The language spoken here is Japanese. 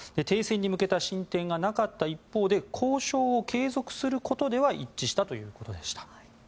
停戦に向けた進展がなかった一方で交渉を継続することでは一致したということでした。